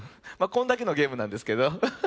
まあこんだけのゲームなんですけど。